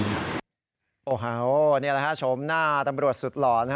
นี่แหละนะครับชมหน้าตำรวจสุดหล่อนครับ